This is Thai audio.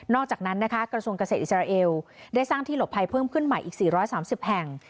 อกจากนั้นนะคะกระทรวงเกษตรอิสราเอลได้สร้างที่หลบภัยเพิ่มขึ้นใหม่อีก๔๓๐แห่ง